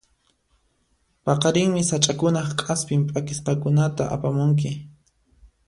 Paqarinmi sach'akunaq k'aspin p'akisqakunata apamunki.